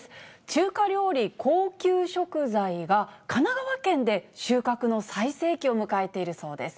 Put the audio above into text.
中華料理高級食材が、神奈川県で収穫の最盛期を迎えているそうです。